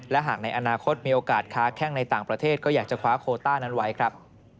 และหากในอนาคตมีโอกาสค้าแข้งในต่างประเทศก็อยากจะคว้าโคต้านั้นไว้ครับ